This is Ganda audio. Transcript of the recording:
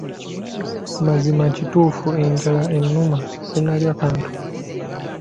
Mazima kituufu enjala ennuma, sinnalya kantu.